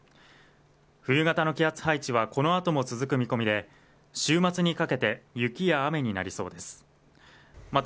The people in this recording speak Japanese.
冬型の気圧配置はこのあとも続く見込みで週末にかけて雪や雨になりそうですまた